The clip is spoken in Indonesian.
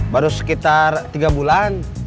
baru sekitar tiga bulan